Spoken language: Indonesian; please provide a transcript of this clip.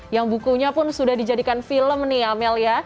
yang bukunya pun sudah dijadikan film nih amel ya